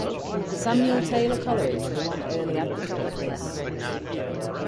Samuel Taylor Coleridge was one early advocate of this.